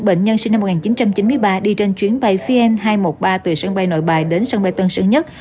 bệnh nhân sinh năm một nghìn chín trăm chín mươi ba đi trên chuyến bay vn hai trăm một mươi ba từ sân bay nội bài đến sân bay tân sơn nhất